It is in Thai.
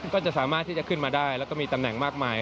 ก็จะสามารถที่จะขึ้นมาได้แล้วก็มีตำแหน่งมากมาย